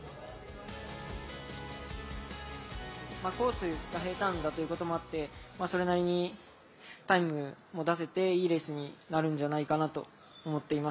コースが平たんだということもあってそれなりにタイムも出せていいレースになるんじゃないかと思っています。